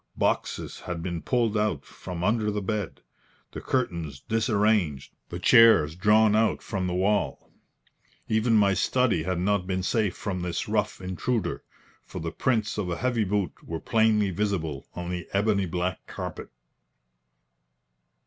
Boxes had been pulled out from under the bed, the curtains disarranged, the chairs drawn out from the wall. Even my study had not been safe from this rough intruder, for the prints of a heavy boot were plainly visible on the ebony black carpet.